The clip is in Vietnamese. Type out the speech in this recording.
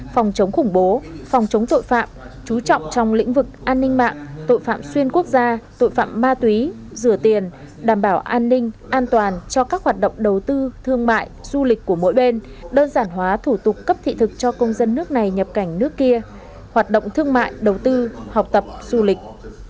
phòng chống khủng bố phòng chống tội phạm chú trọng trong lĩnh vực an ninh mạng tội phạm xuyên quốc gia tội phạm ma túy rửa tiền đảm bảo an ninh an toàn cho các hoạt động đầu tư thương mại du lịch của mỗi bên đơn giản hóa thủ tục cấp thị thực cho công dân nước này nhập cảnh nước kia hoạt động thương mại đầu tư học tập du lịch